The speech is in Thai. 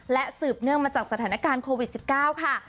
และสืบเนื่องมาจากสถานการณ์โควิด๑๙ค่ะ